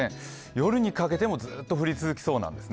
夜にかけてもずっと降り続きそうなんですね。